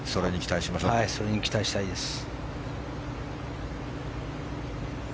それに期待したいです。